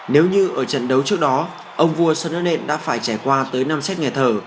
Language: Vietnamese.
nếu như ở trận đấu trước đó ông vua sơn ơn đện đã phải trải qua tới năm set nghề thở